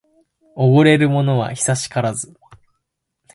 おごれるものは久しからず